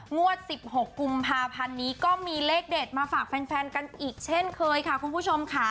งวด๑๖กุมภาพันธ์นี้ก็มีเลขเด็ดมาฝากแฟนกันอีกเช่นเคยค่ะคุณผู้ชมค่ะ